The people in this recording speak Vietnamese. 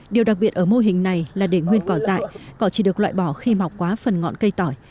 điều đặc biệt ở mô hình này là để nguyên cỏ dại cỏ chỉ được loại bỏ khi mọc quá phần ngọn cây tỏi